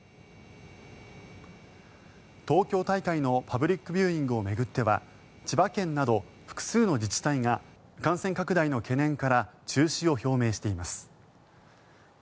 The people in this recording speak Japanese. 東京大会のパブリックビューイングを巡っては千葉県など複数の自治体が感染拡大の懸念から中止を表明しています。